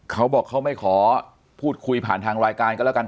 เขาบอกเขาไม่ขอพูดคุยผ่านทางรายการก็แล้วกัน